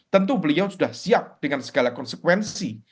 tentu beliau sudah siap dengan segala konsekuensi